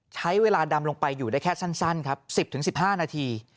ใช้เวลาดำลงไปอยู่ได้แค่สั้นครับ๑๐๑๕นาที